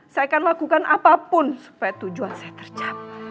saya akan lakukan apapun supaya tujuan saya tercapai